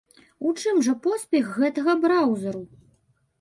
У чым жа поспех гэтага браўзэру?